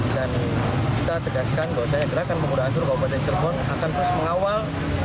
dan kita tegaskan bahwa gerakan pemuda ansor kabupaten cirebon akan terus mengawal